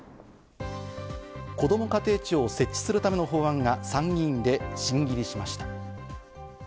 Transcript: こども家庭庁設置するための法案が参議院で審議入りしました。